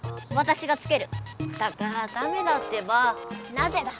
なぜだ？